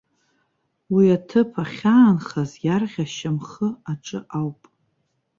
Уи аҭыԥ ахьаанхаз иарӷьа шьамхы аҿы ауп.